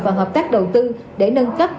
vào hợp tác đầu tư để nâng cấp